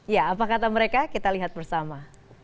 ya apa kata mereka kita lihat bersama